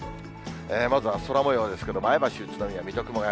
まずは空もようですけれども、前橋、宇都宮、水戸、熊谷。